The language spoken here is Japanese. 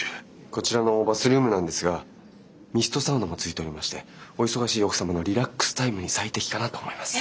こちらのバスルームなんですがミストサウナもついておりましてお忙しい奥様のリラックスタイムに最適かなと思います。